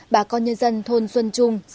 bà con nhân dân thôn xuân trung